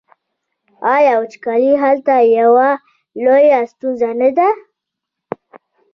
آیا وچکالي هلته یوه لویه ستونزه نه ده؟